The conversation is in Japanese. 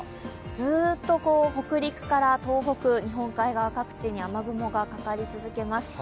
ずっと北陸から東北、日本海側各地に雲がかかり続けます。